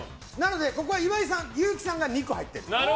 ここは岩井さん、「勇気」さんが２個入ってる。